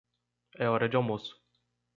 É hora de almoço.